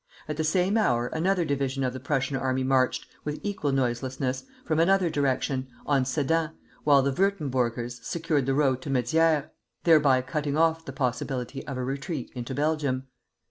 At the same hour another division of the Prussian army marched, with equal noiselessness, from another direction, on Sedan, while the Würtemburgers secured the road to Mézières, thereby cutting off the possibility of a retreat into Belgium.